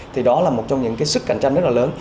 thì đó là một trong những cái sức cạnh tranh rất là lớn